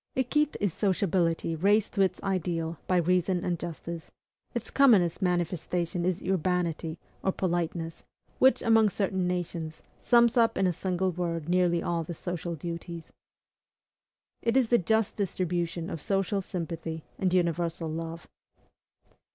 Equite is sociability raised to its ideal by reason and justice; its commonest manifestation is URBANITY or POLITENESS, which, among certain nations, sums up in a single word nearly all the social duties. It is the just distribution of social sympathy and universal love.